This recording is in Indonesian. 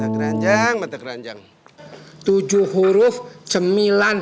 keranjang mata keranjang tujuh huruf cemilan